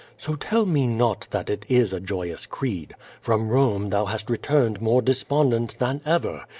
So tell me not that it is a joyous creed. From Rome thou hast re turned more despondent than ever.